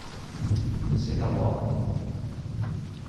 C’est à moi.